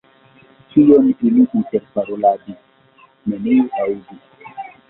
Kion ili interparoladis, neniu aŭdis.